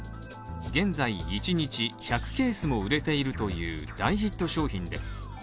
現在１日１００ケースも売れているという大ヒット商品です。